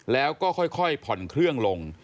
แล้วก็ค่อยผ่อนเครื่องลง